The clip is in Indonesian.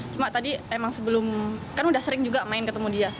cuma tadi emang sebelum kan udah sering juga main ketemu dia